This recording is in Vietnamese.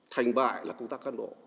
thành bại là công tác cán bộ